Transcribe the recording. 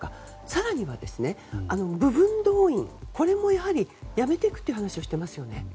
更には部分動員、これもやめていくという話をしていますね。